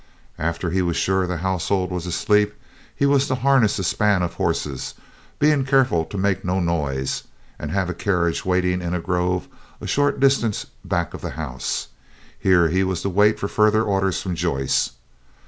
After he was sure the household was asleep he was to harness a span of horses, being careful to make no noise, and have a carriage waiting in a grove a short distance back of the house. Here he was to wait for further orders from Joyce.